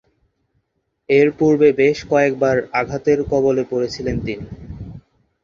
এরপূর্বে বেশ কয়েকবার আঘাতের কবলে পড়েছিলেন তিনি।